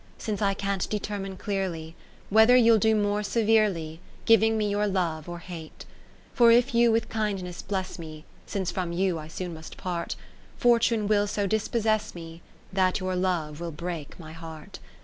Since I can't determine clearly. Whether you'll do more severely Giving me your love or hate ! For if you with kindness bless me, Since from you I soon must part ; Fortune will so dispossess me, That your Love will break my heart.